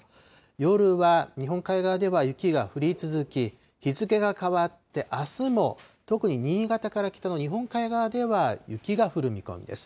夜は日本海側では雪が降り続き、日付が変わってあすも、特に新潟から北の日本海側では雪が降る見込みです。